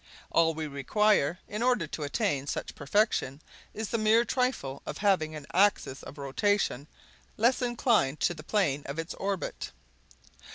All we require, in order to attain such perfection, is the mere trifle of having an axis of rotation less inclined to the plane of its orbit!"